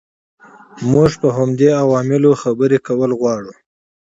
موږ په همدې عواملو خبرې کول غواړو.